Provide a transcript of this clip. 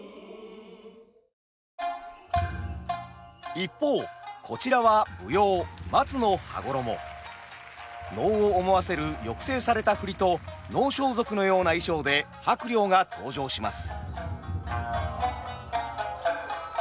一方こちらは舞踊「松廼羽衣」。能を思わせる抑制された振りと能装束のような衣装で伯了が登場します。